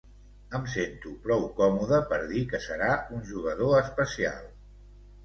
Em sento prou còmode per dir que serà un jugador especial.